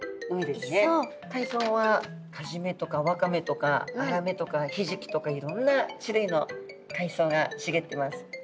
海藻はカジメとかワカメとかアラメとかヒジキとかいろんな種類の海藻がしげってます。